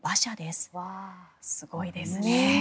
すごいですね。